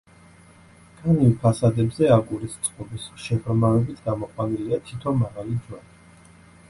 განივ ფასადებზე, აგურის წყობის შეღრმავებით გამოყვანილია თითო მაღალი ჯვარი.